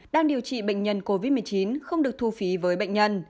đang điều trị bệnh nhân covid một mươi chín không được thu phí với bệnh nhân